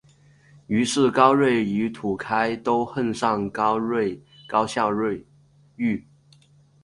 于是高睿与和士开都恨上高孝瑜。